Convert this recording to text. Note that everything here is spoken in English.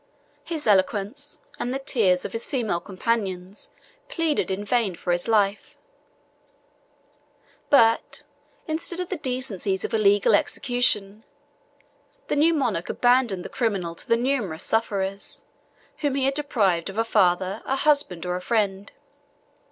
His eloquence, and the tears of his female companions, pleaded in vain for his life; but, instead of the decencies of a legal execution, the new monarch abandoned the criminal to the numerous sufferers, whom he had deprived of a father, a husband, or a friend.